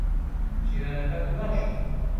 جیرانەکانت باشن؟